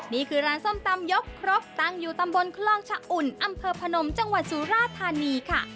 นี่คือร้านส้มตำยกครบตั้งอยู่ตำบลคลองชะอุ่นอำเภอพนมจังหวัดสุราธานีค่ะ